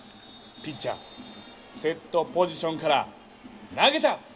ピッチャーセットポジションから投げた！